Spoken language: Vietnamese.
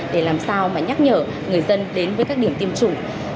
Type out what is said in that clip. để làm sao mà nhắc nhở người dân đến với các điểm tiêm chủng